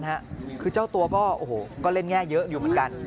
แล้วตัวก็เล่นแง่เยอะอยู่เหมือนกัน